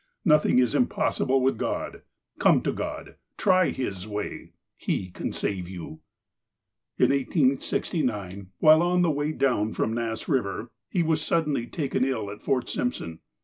Nothing is impossible with God. Come to God. Try His way. He can save you." In 1869, while on the way down from mss Eiver, he was suddenly taken ill at Fort Simpson.